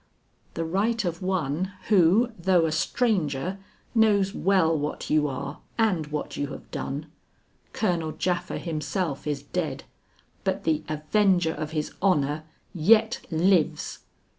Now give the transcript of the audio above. "The right of one who, though a stranger, knows well what you are and what you have done. Colonel Japha himself is dead, but the avenger of his honor yet lives!